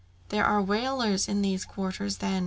"There are whalers in these quarters, then?"